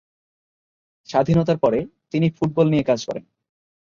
স্বাধীনতার পরে, তিনি ফুটবল নিয়ে কাজ করেন।